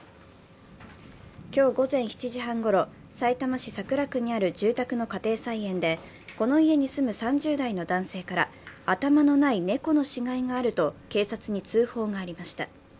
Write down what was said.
今日午前７時半ごろさいたま市桜区にある住宅の家庭菜園でこの家に住む３０代の男性から、頭のない猫の死骸があると警察に通報がありました。